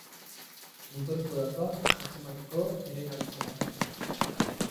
Muturreko datuak atzemateko ere erabiltzen da.